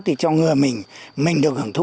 thì cho ngừa mình mình được hưởng thụ